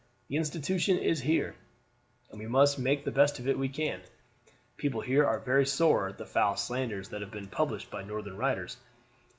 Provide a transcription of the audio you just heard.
The institution is here, and we must make the best we can of it. People here are very sore at the foul slanders that have been published by Northern writers.